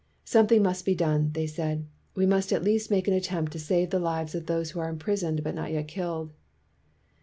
"Something must be done," they said. "We must at least make an attempt to save the lives of those who are imprisoned but not yet killed."